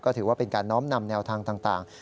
ถือว่าเป็นการน้อมนำแนวทางต่าง